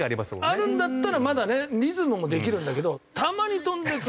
あるんだったらまだねリズムもできるんだけどたまに飛んでくる。